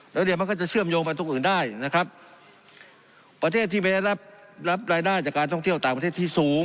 แล้วเนี่ยมันก็จะเชื่อมโยงไปตรงอื่นได้นะครับประเทศที่ไม่ได้รับรับรายได้จากการท่องเที่ยวต่างประเทศที่สูง